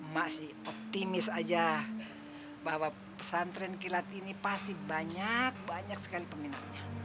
masih optimis aja bahwa pesantren kilat ini pasti banyak banyak sekali peminatnya